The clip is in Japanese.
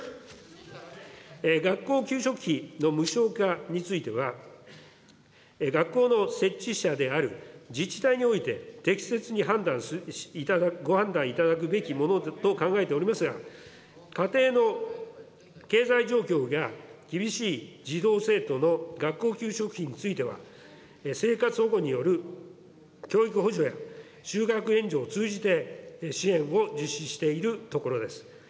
学校給食費の無償化については、学校の設置者である自治体において適切にご判断いただくべきものだと考えておりますが、家庭の経済状況が厳しい児童・生徒の学校給食費については、生活保護による教育補助や就学援助を通じて支援を実施しているところです。